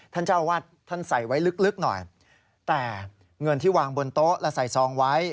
ท่านเจ้าอาวาสท่านใส่ไว้ลึกหน่อยแต่เงินที่วางบนโต๊ะและใส่ซองไว้